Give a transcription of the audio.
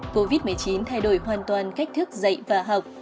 covid một mươi chín thay đổi hoàn toàn cách thức dạy và học